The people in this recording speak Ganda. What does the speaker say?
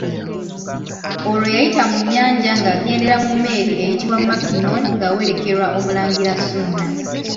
Olwo yayita mu nnyanja ng'agendera mu meeri eyitibwa Mackinnon ng'awerekerwa Omulangira Ssuuna.